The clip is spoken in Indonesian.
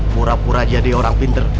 pura pura jadi orang pinter